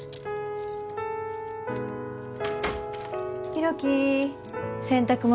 広樹洗濯物